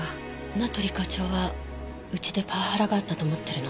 名取課長はうちでパワハラがあったと思ってるの？